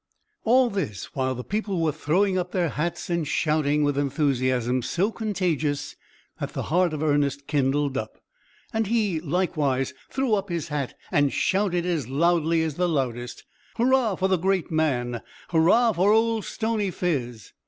All this while the people were throwing up their hats and shouting, with enthusiasm so contagious that the heart of Ernest kindled up, and he likewise threw up his hat, and shouted, as loudly as the loudest, "Huzza for the great man! Huzza for Old Stony Phiz?"